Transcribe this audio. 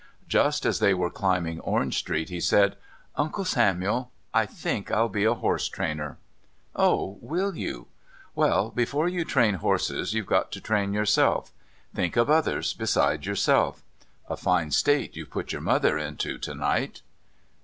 Just as they were climbing Orange Street he said: "Uncle Samuel, I think I'll be a horse trainer." "Oh, will you?... Well, before you train horses you've got to train yourself. Think of others beside yourself. A fine state you've put your mother into to night."